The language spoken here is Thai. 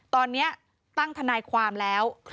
ตอนนี้ตั้งทนายความแล้ว